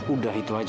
udah itu aja